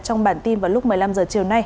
trong bản tin vừa rồi